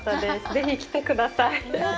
ぜひ来てください。